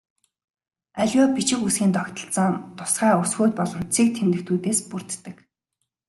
Аливаа бичиг үсгийн тогтолцоо нь тусгай үсгүүд болон цэг тэмдэгтүүдээс бүрддэг.